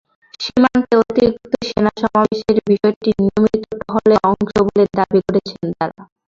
সীমান্তে অতিরিক্ত সেনা সমাবেশের বিষয়টি নিয়মিত টহলের অংশ বলে দাবি করেছে তারা।